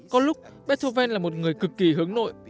có lúc beethoven là một người cực kỳ hướng nội